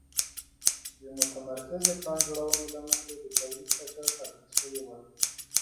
د متمرکزې پلان جوړونې له مخې د تولید کچه ټاکل شوې وه